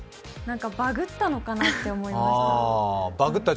バグったのかなって思いました。